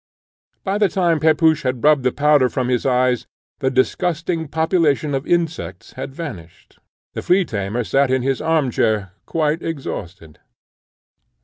By the time Pepusch had rubbed the powder from his eyes, the disgusting population of insects had vanished. The flea tamer sate in his arm chair quite exhausted.